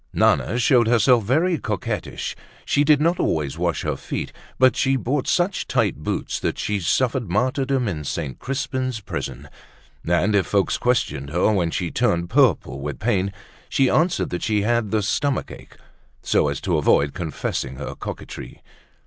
Nana showed herself very coquettish. She did not always wash her feet, but she bought such tight boots that she suffered martyrdom in St. Crispin's prison; and if folks questioned her when she turned purple with pain, she answered that she had the stomach ache, so as to avoid confessing her coquetry.